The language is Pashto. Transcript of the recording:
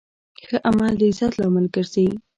ښه عمل د عزت لامل ګرځي.